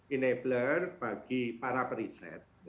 enabler bagi para periset